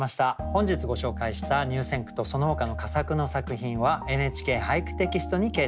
本日ご紹介した入選句とそのほかの佳作の作品は「ＮＨＫ俳句」テキストに掲載されます。